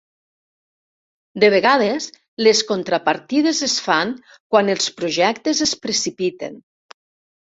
De vegades, les contrapartides es fan quan els projectes es precipiten.